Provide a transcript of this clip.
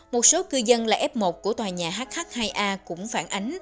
một số cư dân là f một của tòa nhà hh hai a cũng phản ánh